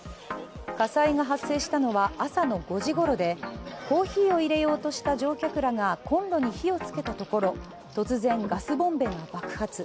火災が発生したのは朝の５時ごろでコーヒーを入れようとした乗客らがコンロに火をつけたところ、突然、ガスボンベが爆発。